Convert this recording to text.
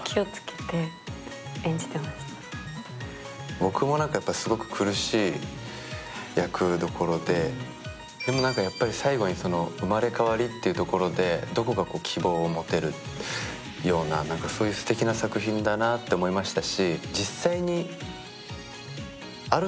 僕もすごく苦しい役どころで、最後に生まれ変わりというところでどこか希望を持てるようなそういうすてきな作品だなって思いましたし。